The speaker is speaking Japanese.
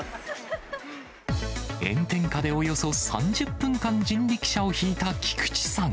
炎天下でおよそ３０分間、人力車を引いた菊池さん。